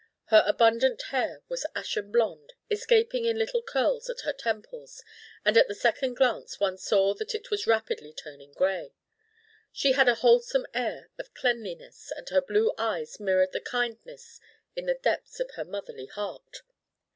Her abundant hair was ashen blonde, escaping in little curls at her temples, and at the second glance one saw that it was rapidly turning grey. She had a wholesome air of cleanliness, and her blue eyes mirrored the kindness in the depths of her motherly heart.